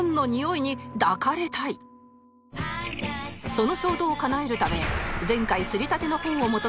その衝動をかなえるため前回刷りたての本を求め